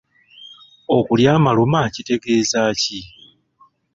Okulya amaluma kitegeeza ki?